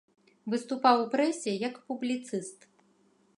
Выступаў у прэсе як публіцыст.